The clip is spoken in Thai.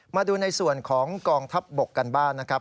มาดูในส่วนของกองทัพบกกันบ้านนะครับ